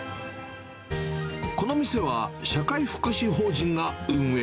この店は社会福祉法人が運営。